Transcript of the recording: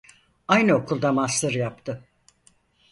Aynı okulda master yaptı.